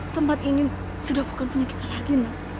tempat ini sudah bukan punya kita lagi